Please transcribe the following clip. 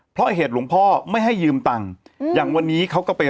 เพราะเหตุหลวงพ่อไม่ให้ยืมตังค์อย่างวันนี้เขาก็ไป